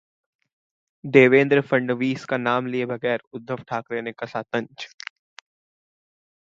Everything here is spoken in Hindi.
देवेंद्र फडणवीस का नाम लिए बगैर उद्धव ठाकरे ने कसा तंज